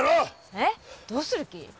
えっどうする気？